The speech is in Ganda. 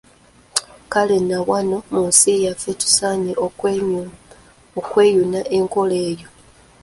Kale na wano mu nsi yaffe tusaanye okweyuna enkola eyo.